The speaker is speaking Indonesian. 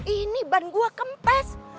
ini ban gue kempes